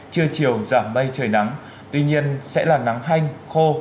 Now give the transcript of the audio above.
trưa chiều giảm mây trời nắng tuy nhiên sẽ là nắng hanh khô